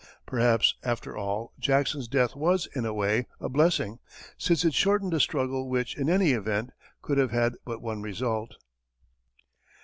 Perhaps, after all, Jackson's death was, in a way, a blessing, since it shortened a struggle which, in any event, could have had but one result.